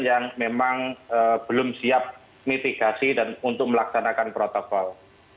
yang memang belum siap mitigasi dan untuk melaksanakan protokol